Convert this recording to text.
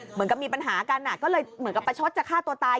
เหมือนกับมีปัญหากันก็เลยเหมือนกับประชดจะฆ่าตัวตาย